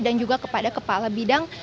dan juga kepada kepala bidang